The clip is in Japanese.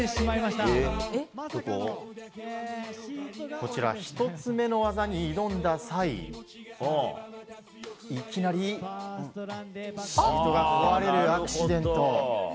こちら、１つ目の技に挑んだ際いきなりシートが壊れるアクシデント。